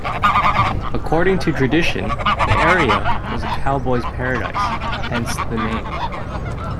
According to tradition, the area was a cowboy's "paradise", hence the name.